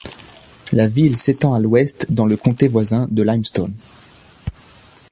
La ville s'étend à l'ouest dans le comté voisin de Limestone.